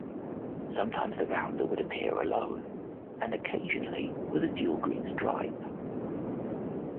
Sometimes the roundel would appear alone and occasionally with a dual green stripe.